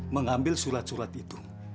mengambil surat surat itu